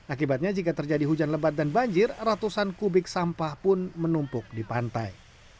akibatnya jika terjadi hujan lebat dan banjir ratusan kubik sampah pun menumpuk di pantai